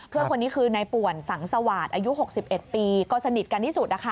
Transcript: เพื่อนคนนี้คือในป่วนสังสวาสตร์อายุ๖๑ปีก็สนิทกันที่สุด